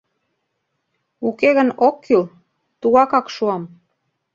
Уке гын, ок кӱл, тугакак шуам.